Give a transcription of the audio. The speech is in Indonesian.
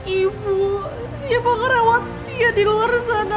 ibu siapa ngerawat dia di luar sana